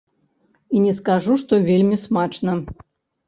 І не скажу, што вельмі смачна.